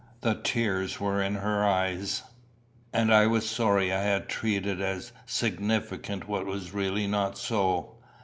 The tears were in her eyes, and I was sorry I had treated as significant what was really not so.